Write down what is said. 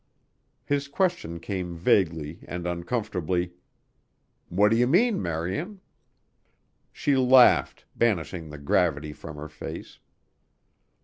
His question came vaguely and uncomfortably, "What do you mean, Marian?" She laughed, banishing the gravity from her face.